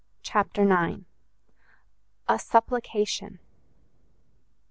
CHAPTER ix A SUPPLICATION.